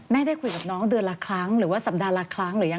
ได้คุยกับน้องเดือนละครั้งหรือว่าสัปดาห์ละครั้งหรือยัง